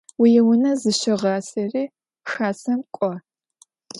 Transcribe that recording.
Vuiune zışığaseri Xasem k'o.